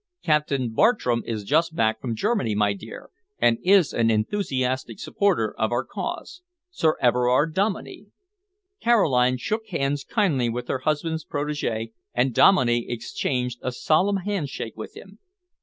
Captain Bartram is just back from Germany, my dear, and is an enthusiastic supporter of our cause. Sir Everard Dominey." Caroline shook hands kindly with her husband's protege, and Dominey exchanged a solemn handshake with him.